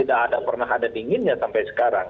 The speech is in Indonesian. tidak pernah ada dinginnya sampai sekarang